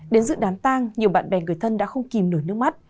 đến dự đám tang nhiều bạn bè người thân đã không kìm nổi nước mắt